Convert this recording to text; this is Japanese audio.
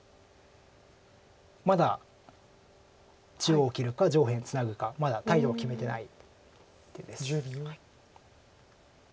まだ中央切るか上辺ツナぐかまだ態度を決めてない手です。